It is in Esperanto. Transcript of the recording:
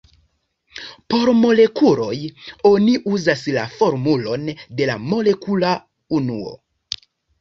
Por molekuloj, oni uzas la formulon de la molekula unuo.